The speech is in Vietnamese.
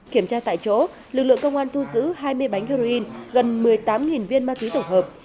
kiểm tra tại chỗ lực lượng công an thu giữ hai mươi bánh heroin gần một mươi tám viên ma túy tổng hợp